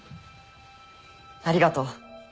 ありがとう。